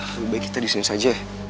lebih baik kita disini saja